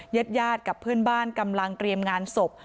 ญาติญาติกับเพื่อนบ้านกำลังเตรียมงานศพ